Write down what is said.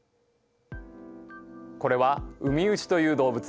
これはウミウシという動物。